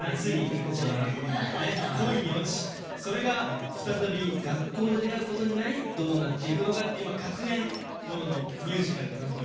それが再び学校で出会うことになりどうなっていくのかっていう学園物のミュージカルとなっております。